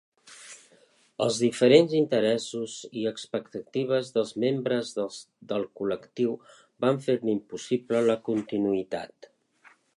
Els diferents interessos i expectatives dels membres del col·lectiu van fer-ne impossible la continuïtat.